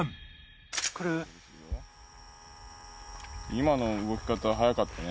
今の動き方速かったね。